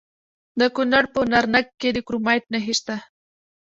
د کونړ په نرنګ کې د کرومایټ نښې شته.